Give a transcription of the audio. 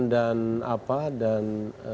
dan apa dan